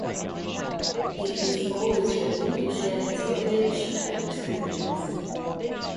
He is always ready to share his knowledge and experience.